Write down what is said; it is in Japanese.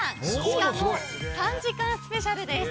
しかも３時間スペシャルです。